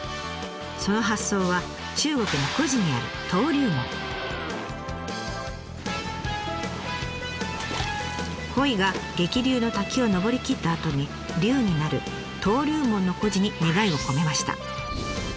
その発想は中国の故事にある鯉が激流の滝を登りきったあとに竜になる「登竜門」の故事に願いを込めました。